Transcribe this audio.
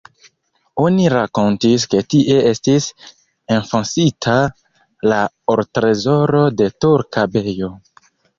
Oni rakontis, ke tie estis enfosita la ortrezoro de turka bejo.